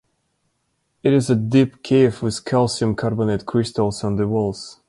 It is a deep cave with calcium carbonate crystals on the walls.